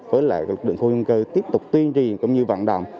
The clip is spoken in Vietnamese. với lại định thu hương cơ tiếp tục tuyên truyền cũng như vận động